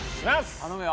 頼むよ。